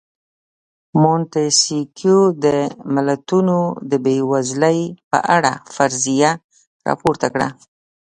مونتیسکیو د ملتونو د بېوزلۍ په اړه فرضیه راپورته کړه.